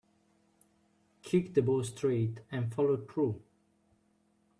Kick the ball straight and follow through.